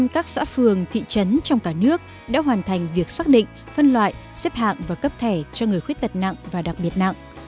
một trăm linh các xã phường thị trấn trong cả nước đã hoàn thành việc xác định phân loại xếp hạng và cấp thẻ cho người khuyết tật nặng và đặc biệt nặng